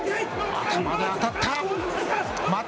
頭で当たった。